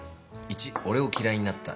１俺を嫌いになった